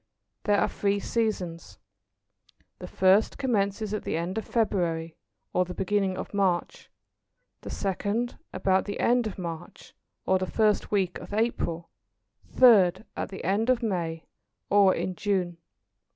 There are three seasons. The first commences at the end of February, or the beginning of March; the second about the end of March, or the first week of April; third at the end of May, or in June.